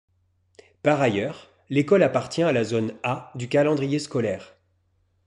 Par ailleurs, l'école appartient à la zone A du calendrier scolaire.